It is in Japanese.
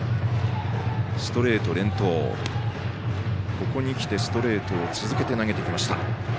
ここにきてストレートを続けて投げてきました。